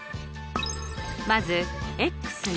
まず。